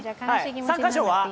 参加賞は？